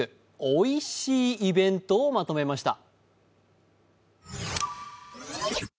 おいしいイベントをまとめました。